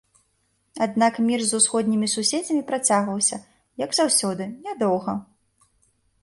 Аднак мір з усходнімі суседзямі працягваўся, як заўсёды, нядоўга.